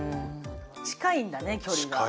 近いんだね、距離が。